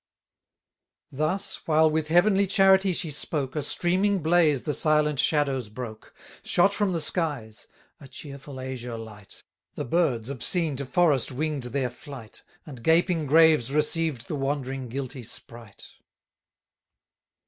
Thus, while with heavenly charity she spoke, A streaming blaze the silent shadows broke; 650 Shot from the skies; a cheerful azure light: The birds obscene to forests wing'd their flight, And gaping graves received the wandering guilty sprite.